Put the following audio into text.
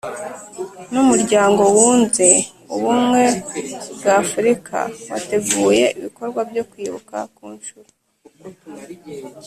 n Umuryango wunze Ubumwe bw Africa bateguye ibikorwa byo Kwibuka ku nshuro